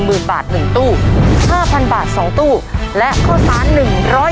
เอาล่ะพร้อมไหมครับที่จะฟังเฉลย